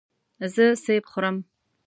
زه سیب خورم.